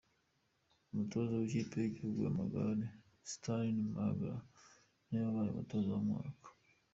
Umutoza w’Ikipe y’Igihugu y’Amagare, Sterling Magnell, niwe wabaye umutoza w’umwaka.